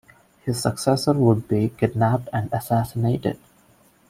His successor would be kidnapped and assassinated.